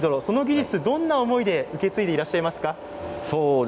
この技術どんな思いで受け継いでいらっしゃいますか。